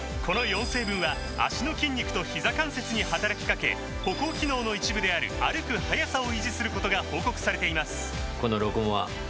この４成分は脚の筋肉とひざ関節に働きかけ歩行機能の一部である歩く速さを維持することが報告されています